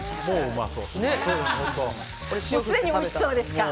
すでにおいしそうですか。